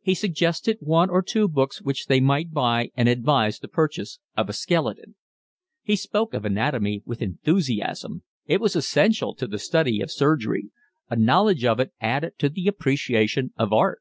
He suggested one or two books which they might buy and advised the purchase of a skeleton. He spoke of anatomy with enthusiasm: it was essential to the study of surgery; a knowledge of it added to the appreciation of art.